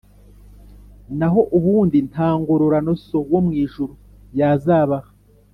naho ubundi nta ngororano So wo mu ijuru yazabaha